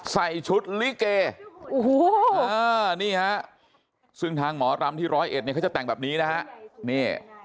ใส่ชุดลิเกนี่ฮะซึ่งทางหมอรำที่ร้อยเอ็ดเนี่ยเขาจะแต่งแบบนี้นะฮะ